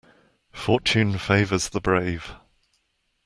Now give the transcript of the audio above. Fortune favours the brave.